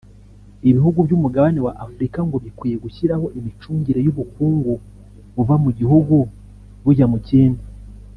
Ibihugu by’umugabane w’Afurika ngo bikwiye gushyiraho imicungire y’ubukungu buva mu gihugu bujya mu kindi